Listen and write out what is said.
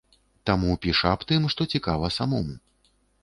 Таму піша аб тым, што цікава самому.